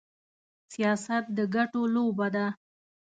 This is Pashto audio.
سياست د ګټو لوبه ده.